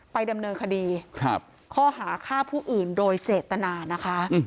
ดำเนินคดีข้อหาฆ่าผู้อื่นโดยเจตนานะคะ